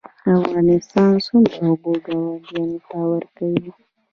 افغانستان څومره اوبه ګاونډیانو ته ورکوي؟